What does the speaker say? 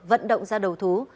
vận động ra đầu tư